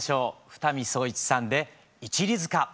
二見颯一さんで「一里塚」。